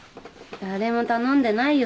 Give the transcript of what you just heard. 誰も頼んでないよ